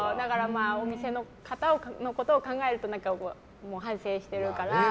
お店の方のことを考えると反省してるから。